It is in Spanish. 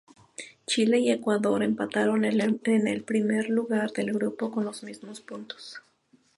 Chile y Ecuador empataron en el primer lugar del grupo, con los mismos puntos.